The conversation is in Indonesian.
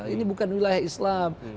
ini bukan wilayah islam